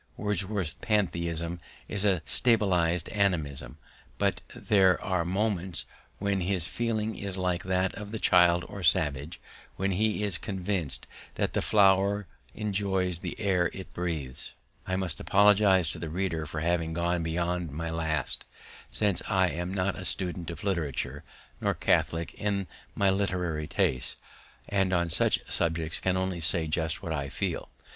Wordsworth's pantheism is a subtilized animism, but there are moments when his feeling is like that of the child or savage when he is convinced that the flower enjoys the air it breathes. I must apologize to the reader for having gone beyond my last, since I am not a student of literature, nor catholic in my literary tastes, and on such subjects can only say just what I feel.